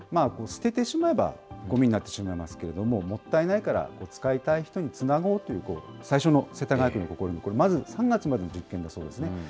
捨ててしまえばごみになってしまいますけれども、もったいないから使いたい人につなごうという最初の世田谷区の試み、これまず、３月までの実験だそうですね。